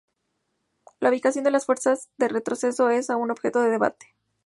La ubicación de la fuerza de retroceso es aún objeto de debate.